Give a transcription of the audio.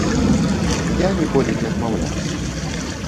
Я ніколі не адмаўляю.